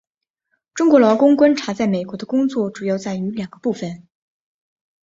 中国劳工观察在美国的工作主要在于两个部份。